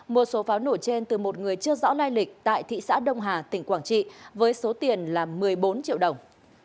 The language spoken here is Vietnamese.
mua số pháo nổ trên từ một người chưa rõ lai lịch tại thị xã đông hà tỉnh quảng trị với số tiền là một mươi bốn triệu đồng